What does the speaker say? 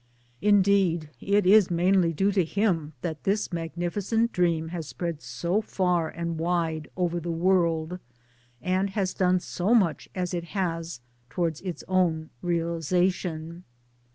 Indeed it is mainly due to him that this magnificent dream has spread so fa,r and wide over the world, and has done so much as it has towards its own realization.